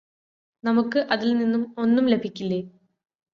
നമുക്ക് അതിൽ നിന്നും ഒന്നും ലഭിക്കില്ലേ